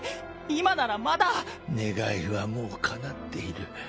今なら願いはもうかなっている。